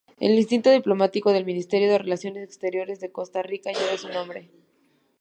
El Instituto Diplomático del Ministerio de Relaciones Exteriores de Costa Rica lleva su nombre.